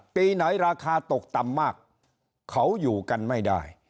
ปีไหนราคาตกต่ำมากเขาอยู่กันไม่ได้